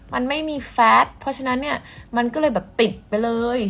มันไม่มีแฟสเพราะฉะนั้นเนี่ยมันก็เลยแบบติดไปเลย